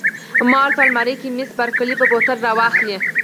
ما وویل: په المارۍ کې، مس بارکلي به بوتل را واخلي.